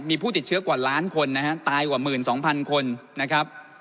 มีผู้ติดเชื้อกว่าล้านคนนะฮะตายกว่า๑๒๐๐คนนะครับ